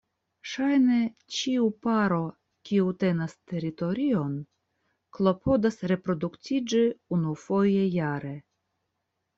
Ŝajne ĉiu paro kiu tenas teritorion klopodas reproduktiĝi unufoje jare.